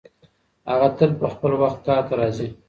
هغه تل په خپل وخت کار ته راځي.